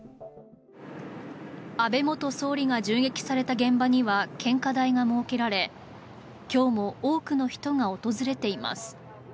安倍元総理が銃撃された現場には献花台が設けられ今日も多くの人が訪れています。